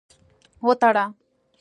وتړه.